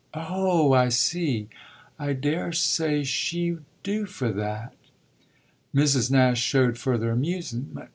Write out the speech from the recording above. "Oh I see. I daresay she'd do for that." Mr. Nash showed further amusement.